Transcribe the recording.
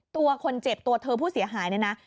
ตัวคนเจ็บตัวเธอผู้เสียหายเนี่ยนะ